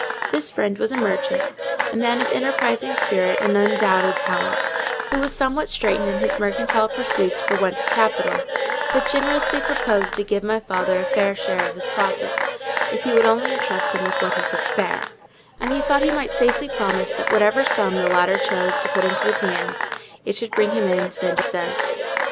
This friend was a merchant, a man of enterprising spirit and undoubted talent, who was somewhat straitened in his mercantile pursuits for want of capital; but generously proposed to give my father a fair share of his profits, if he would only entrust him with what he could spare; and he thought he might safely promise that whatever sum the latter chose to put into his hands, it should bring him in cent. per cent.